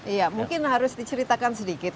iya mungkin harus diceritakan sedikit